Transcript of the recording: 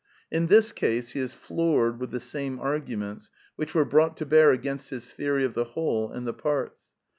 In this case he is iloorecl with the same argumentjr which were brought to bear against his theory of the whole and the parts.